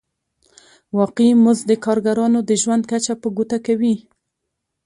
واقعي مزد د کارګرانو د ژوند کچه په ګوته کوي